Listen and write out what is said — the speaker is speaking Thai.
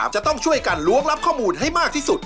จะต้องช่วยกันล้วงรับข้อมูลให้มากที่สุด